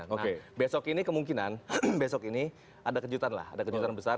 nah besok ini kemungkinan besok ini ada kejutan lah ada kejutan besar